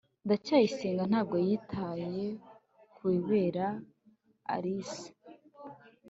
ndacyayisenga ntabwo yitaye kubibera alice